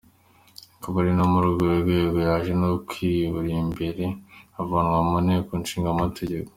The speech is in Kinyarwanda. Akaba ari no muri urwo rwego yaje no kubikirwa imbehe, avanwa mu Nteko Nshingamategeko.